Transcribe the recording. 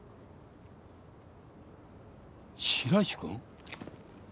白石君？